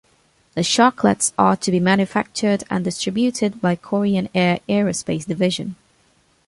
The Sharklets are to be manufactured and distributed by Korean Air Aerospace Division.